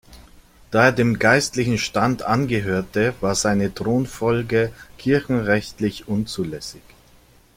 Da er dem geistlichen Stand angehörte, war seine Thronfolge kirchenrechtlich unzulässig.